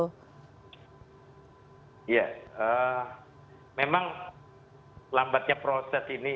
karena tadi anda juga sempat mention beberapa contoh generasi yang kemudian bisa dimajukan begitu